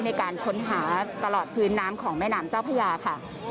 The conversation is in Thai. ในการค้นหาตลอดพื้นน้ำของแม่น้ำเจ้าพญาค่ะ